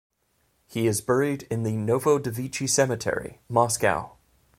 He is buried in the Novodevichy Cemetery, Moscow.